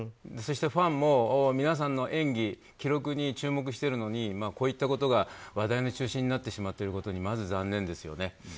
そしてファンも皆さんの演技、記録に注目してるのにこういったことが話題の中心になってしまっていることにまず残念ですよね。